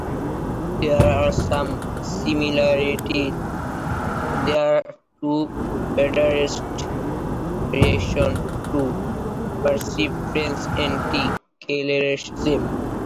There are some similarities there to the Federalists' reaction to perceived French anti-clericalism.